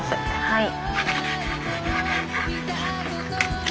はい。